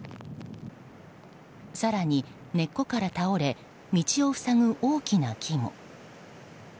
更に根っこから倒れ道を塞ぐ大きな木も。